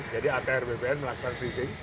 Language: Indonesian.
jadi atr bpn melakukan freezing